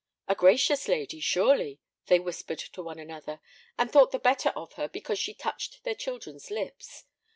"A gracious lady, surely," they whispered to one another, and thought the better of her because she touched their children's lips.